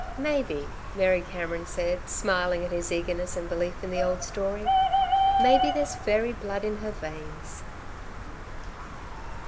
"Maybe" Mary Cameron said, smiling at his eagerness and belief in the old story, "maybe there's fairy blood in her veins."